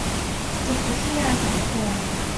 จิตวิทยาสังคม